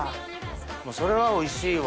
それはおいしいわ。